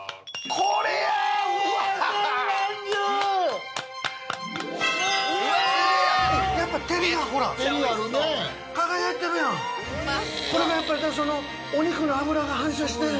これがやっぱりそのお肉の脂が反射してんねん。